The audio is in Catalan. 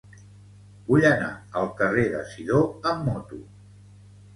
Vull anar al carrer de Sidó amb moto.